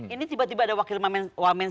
ini tiba tiba ada wakil wamen